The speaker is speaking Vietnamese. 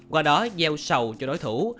qua đó gieo sầu cho đối thủ